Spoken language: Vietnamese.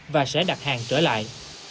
và sẽ đặt hàng trở lại